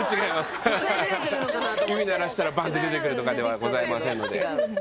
指鳴らしたらばんって出てくるとかではございません。